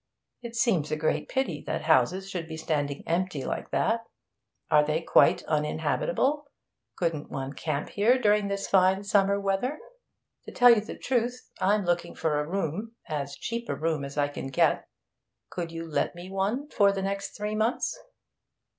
'It seems a great pity that houses should be standing empty like that. Are they quite uninhabitable? Couldn't one camp here during this fine summer weather? To tell you the truth, I'm looking for a room as cheap a room as I can get. Could you let me one for the next three months?'